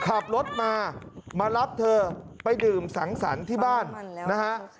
ขับรถมามารับเธอไปดื่มสังสรรค์ที่บ้านนะฮะ